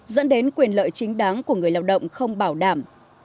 dẫn đến quyền lợi chính đáng của người lao động không bảo đảm